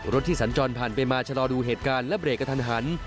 ที่สัญจรผ่านไปมาชะลอดูเหตุการณ์และเบรกกระทันหัน